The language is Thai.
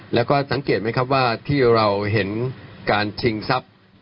แล้วก็สังเกตไหมครับว่าที่เราเห็นการชิงทรัพย์